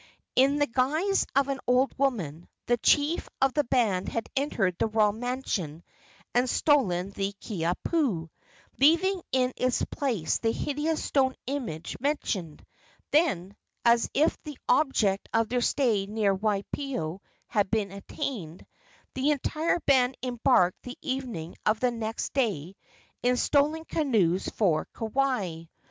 In the guise of an old woman the chief of the band had entered the royal mansion and stolen the Kiha pu, leaving in its place the hideous stone image mentioned; then, as if the object of their stay near Waipio had been attained, the entire band embarked the evening of the next day in stolen canoes for Kauai.